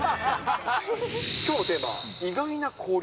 きょうのテーマは意外な交流